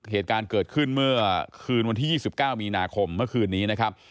เหตุการณ์เกิดขึ้นเมื่อคืนวันที่๒๙มีนาคมเมื่อคืนนี้นะครับ